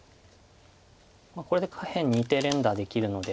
これで下辺２手連打できるので。